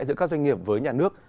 giữa các doanh nghiệp với nhà nước